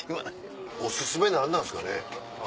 お薦め何なんですかね？